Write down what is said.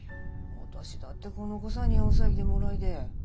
私だってこの子さ日本さいでもらいで。